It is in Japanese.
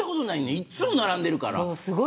いっつも並んでるから。